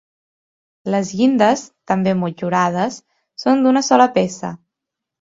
Les llindes, també motllurades, són d'una sola peça.